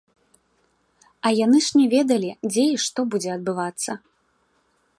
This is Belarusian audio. А яны ж не ведалі дзе і што будзе адбывацца.